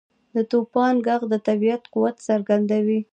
• د توپان ږغ د طبیعت قوت څرګندوي.